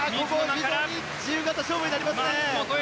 自由形勝負になりますね。